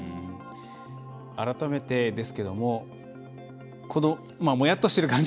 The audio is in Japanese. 改めてですけどもやっとしてる感じ